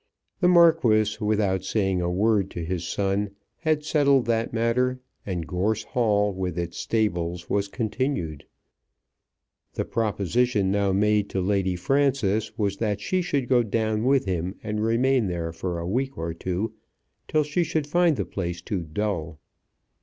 The Marquis, without saying a word to his son, had settled that matter, and Gorse Hall, with its stables, was continued. The proposition now made to Lady Frances was that she should go down with him and remain there for a week or two till she should find the place too dull.